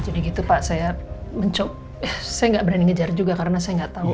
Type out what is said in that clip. gitu pak saya mencoba saya nggak berani ngejar juga karena saya nggak tahu